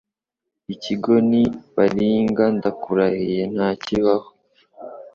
ikigo ni baringa ndakurahiye ntakibaho